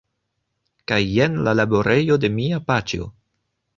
Kaj jen la laborejo de mia paĉjo.